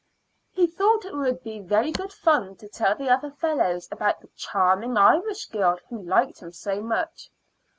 He thought it would be very good fun to tell the other fellows about the charming Irish girl who liked him so much.